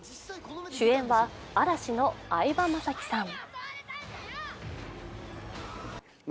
主演は嵐の相葉雅紀さん。